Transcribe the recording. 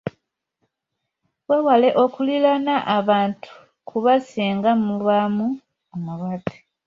Weewale okulinaana abantu kuba singa mubaamu omulwadde.